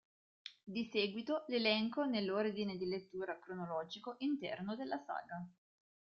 Di seguito l'elenco nell'ordine di lettura cronologico interno della saga.